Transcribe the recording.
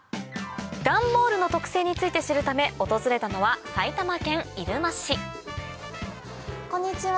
ダンボールの特性について知るため訪れたのはこんにちは。